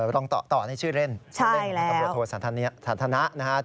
ของตำรวจสันติบาลนะฮะ